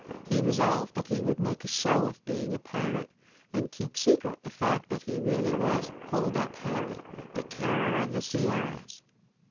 He resolved that he would make a show of being a pirate, and keep secret the fact that he really was Hold up Harry, the Terror of the Sierras.